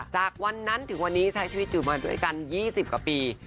จากวันนั้นถึงวันนี้ใช้ชีวิตอยู่มาด้วยกัน๒๐กว่าปี